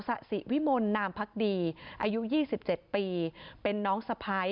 สะสิวิมนศ์นามพัดีอายุยี่สิบเจ็ดปีเป็นน้องสะพ้าย